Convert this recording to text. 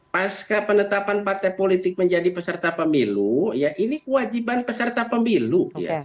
pasca penetapan partai politik menjadi peserta pemilu ya ini kewajiban peserta pemilu